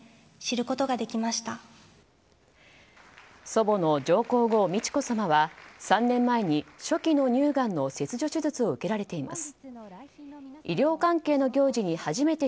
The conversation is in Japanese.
祖母の上皇后・美智子さまは３年前に初期の乳がんの切除手術を受けられています。